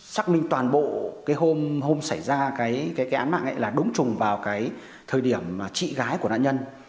xác minh toàn bộ cái hôm xảy ra cái án mạng ấy là đúng trùng vào cái thời điểm mà chị gái của nạn nhân